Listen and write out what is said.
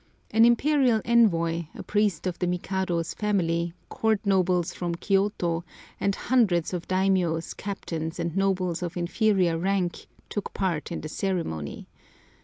An Imperial envoy, a priest of the Mikado's family, court nobles from Kivôto, and hundreds of daimiyôs, captains, and nobles of inferior rank, took part in the ceremony.